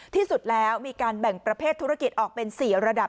ที่สุดแล้วมีการแบ่งประเภทธุรกิจออกเป็น๔ระดับ